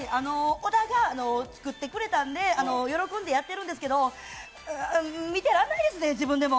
小田が作ってくれたんで、喜んでやってるんですけど、見てらんないですね、自分でも。